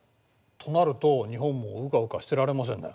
となると日本もうかうかしてられませんね。